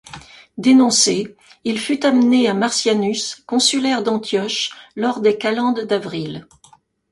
Dénoncé, il fut amené à Martianus, consulaire d'Antioche, lors des calendes d'avril.